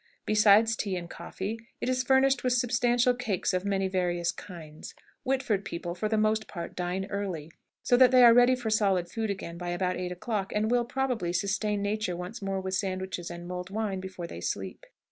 Besides tea and coffee, it is furnished with substantial cakes of many various kinds. Whitford people, for the most part, dine early, so that they are ready for solid food again by about eight o'clock; and will, probably, sustain nature once more with sandwiches and mulled wine before they sleep.